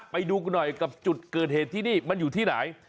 ไปดูกันหน่อยกับจุดเกิดเหตุที่นี่มันอยู่ที่ไหน